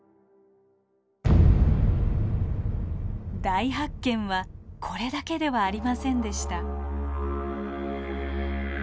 大発見はこれだけではありませんでした。